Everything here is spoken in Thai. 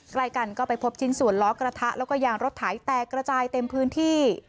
ใกล้กันก็ไปพบชิ้นส่วนล้อกระทะแล้วก็ยางรถไถแตกระจายเต็มพื้นที่